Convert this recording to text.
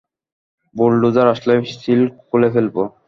Bulldozer আসলে, seal খুলে ফেলবো।